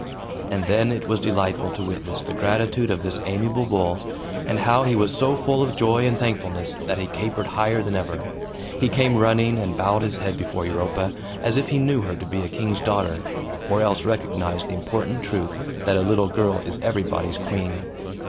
And then it was delightful to witness the gratitude of this amiable bull, and how he was so full of joy and thankfulness that he capered higher than ever. He came running, and bowed his head before Europa, as if he knew her to be a king's daughter, or else recognized the important truth that a little girl is everybody's queen.